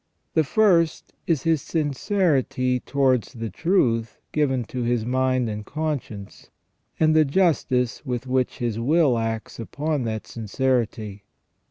The first is his sincerity towards the truth given to his mind and conscience, and the justice with which his will acts upon that sincerity.